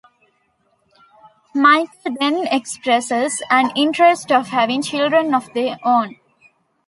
Michelle then expresses an interest of having children of their own.